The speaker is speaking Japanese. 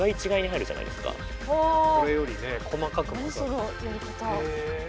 これよりね細かく混ざる。